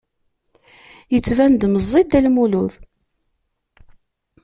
Yettban-d meẓẓi Dda Lmulud.